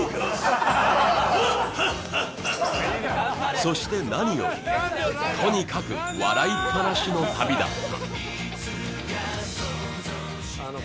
そして何より、とにかく笑いっぱなしの旅だった。